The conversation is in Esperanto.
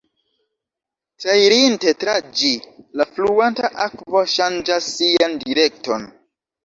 Trairinte tra ĝi, la fluanta akvo ŝanĝas sian direkton.